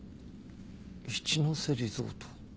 一ノ瀬リゾート。